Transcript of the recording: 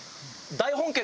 「大本家」。